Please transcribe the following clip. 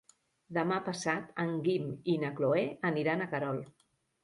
Demà passat en Guim i na Cloè aniran a Querol.